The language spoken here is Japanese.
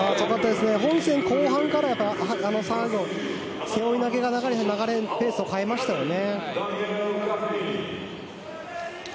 本戦後半から最後背負い投げの流れにペースを変えましたよね。